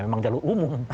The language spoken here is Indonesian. memang jalur umum